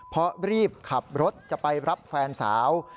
เพราะรีบขับรถจะไปรับแฟนสาว